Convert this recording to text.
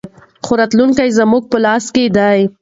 خو راتلونکی زموږ په لاس کې دی.